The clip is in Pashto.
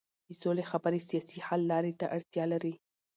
د سولې خبرې سیاسي حل لارې ته اړتیا لري